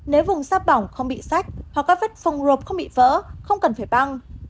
nếu vùng xa bỏng không bị sạch hoặc các vết phòng rộp không bị vỡ không cần phải băng